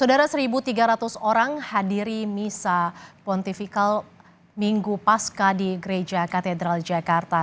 saudara satu tiga ratus orang hadiri misa pontifikal minggu pasca di gereja katedral jakarta